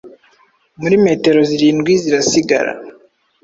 Muri metero zirindwi zirasigara.